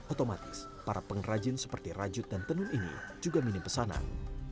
otomatis para pengrajin seperti rajut dan tenun ini juga minim pesanan